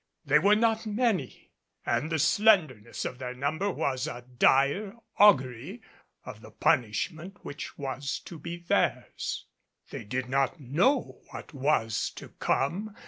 They were not many; and the slenderness of their number was a dire augury of the punishment which was to be theirs. They did not know what was to come.